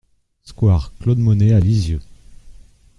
Square Claude Monet à Lisieux